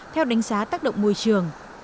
theo đánh giá tác động môi trường